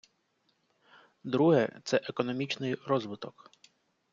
Друге - це економічний розвиток.